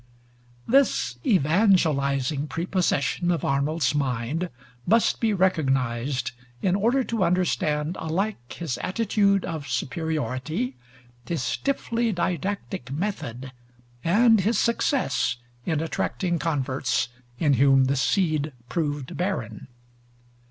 This evangelizing prepossession of Arnold's mind must be recognized in order to understand alike his attitude of superiority, his stiffly didactic method, and his success in attracting converts in whom the seed proved barren.